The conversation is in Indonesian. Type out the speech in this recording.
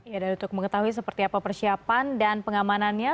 ya dan untuk mengetahui seperti apa persiapan dan pengamanannya